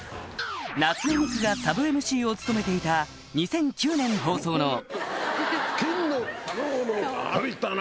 夏目三久がサブＭＣを務めていた２００９年放送のあったな